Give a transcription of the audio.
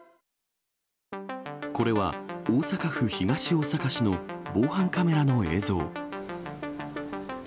これは、大阪府東大阪市の防犯カメラの映像。